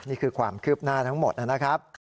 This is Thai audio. นี่คือความคืบหน้าทั้งหมดนะครับ